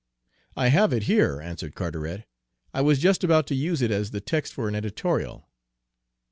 "I have it here," answered Carteret. "I was just about to use it as the text for an editorial."